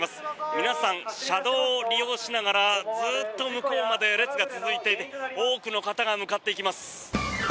皆さん、車道を利用しながらずっと向こうまで列が続いていて多くの方が向かっていきます。